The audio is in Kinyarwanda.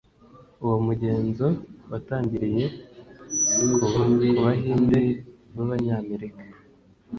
uwo mugenzo watangiriye ku bahinde b'abanyamerika